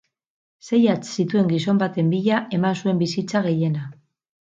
Sei hatz zituen gizon baten bila eman zuen bizitza gehiena.